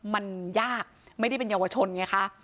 มันยากไม่ได้เป็นเยาวชนไงคะ